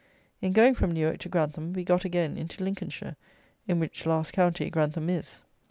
In going from Newark to Grantham, we got again into Lincolnshire, in which last county Grantham is.